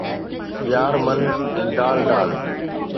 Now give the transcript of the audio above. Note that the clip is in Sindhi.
يار من ۽ دال دال